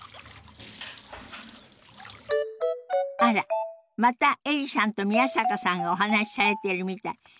あらまたエリさんと宮坂さんがお話しされてるみたい。